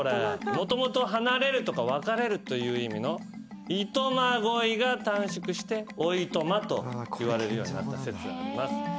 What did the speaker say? もともと離れるとか別れるという意味のいとま乞いが短縮して「お暇」といわれるようになった説あります。